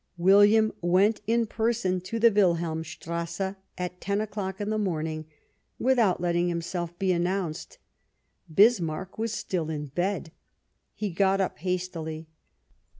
William went in person to the Wilhelmstrasse at ten o'clock in the morning, without letting himself be announced. Bismarck was still in bed ; he got up hastily.